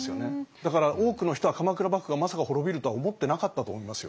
だから多くの人は鎌倉幕府がまさか滅びるとは思ってなかったと思いますよ。